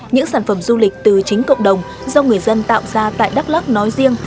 những sản phẩm du lịch từ chính cộng đồng do người dân tạo ra tại đắk lắc nói riêng